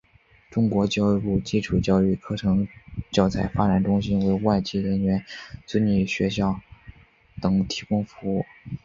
中国教育部基础教育课程教材发展中心为外籍人员子女学校等提供服务。